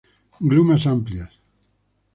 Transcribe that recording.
Glumas amplias.